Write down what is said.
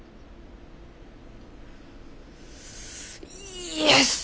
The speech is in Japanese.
イエス！